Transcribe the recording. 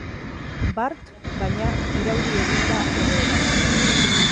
Bart, baina, irauli egin da egoera.